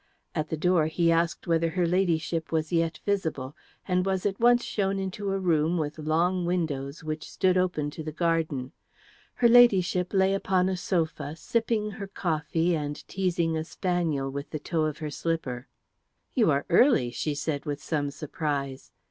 At the door he asked whether her Ladyship was yet visible, and was at once shown into a room with long windows which stood open to the garden. Her Ladyship lay upon a sofa sipping her coffee and teasing a spaniel with the toe of her slipper. "You are early," she said with some surprise.